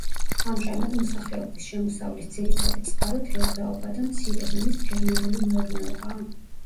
ამჟამად მოსახლეობის შემოსავლის ძირითადი წყარო თევზაობა და მცირე ზომის ფერმერული მეურნეობაა.